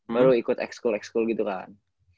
baru ikut x school gitu kan